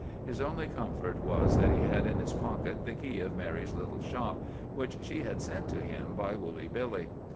His only comfort was that he had in his pocket the key of Mary's little shop, which she had sent to him by Woolly Billy.